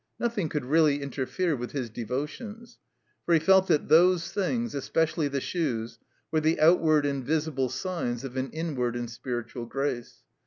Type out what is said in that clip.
Nothing could really interfere with his devotions. For he felt that those things, especially the shoes, were the outward and visible signs of an inward and spiritual grace.